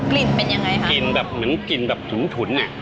กลิ่นเป็นยังไงครับกลิ่นแบบเหมือนกลิ่นแบบถุงถุนอ่ะ